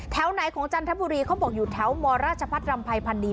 แถวไหนของจันทบุรีเขาบอกอยู่แถวมรรจพรรภัฐรัมภัณฑ์พันธ์ดี